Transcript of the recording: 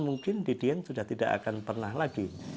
mungkin di dieng sudah tidak akan pernah lagi